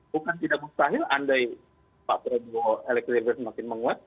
bukan tidak mustahil andai pak prabowo elektabilitas semakin menguat